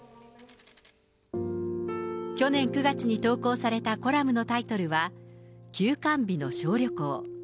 去年９月に投稿されたコラムのタイトルは、休館日の小旅行。